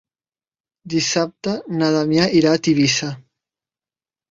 Dissabte na Damià irà a Tivissa.